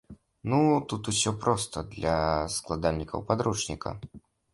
Ну, тут усё проста для складальнікаў падручніка.